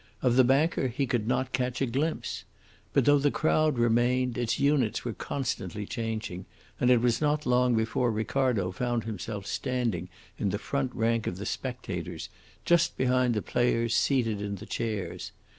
Of the banker he could not catch a glimpse. But though the crowd remained, its units were constantly changing, and it was not long before Ricardo found himself standing in the front rank of the spectators, just behind the players seated in the chairs.